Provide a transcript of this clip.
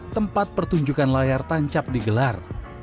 tempat pertunjukan layar tancap digelar